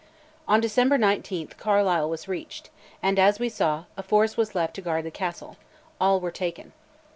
On December 19 Carlisle was reached, and, as we saw, a force was left to guard the castle; all were taken.